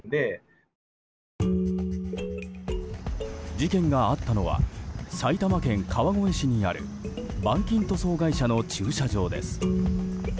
事件があったのは埼玉県川越市にある板金塗装会社の駐車場です。